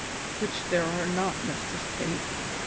Which there are not, Mistress Kate.